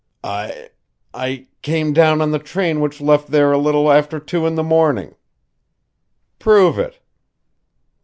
"I I came down on the train which left there a little after two in the morning." "Prove it."